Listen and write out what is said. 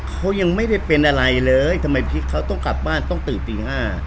เขายังไม่ได้เป็นอะไรเลยทำไมพี่เขาต้องกลับบ้านต้องตื่นตี๕